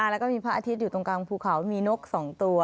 แล้วก็มีพระอาทิตย์อยู่ตรงกลางภูเขามีนก๒ตัว